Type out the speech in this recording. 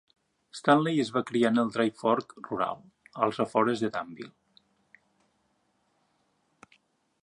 Stanley es va criar en el Dry Fork rural, als afores de Danville.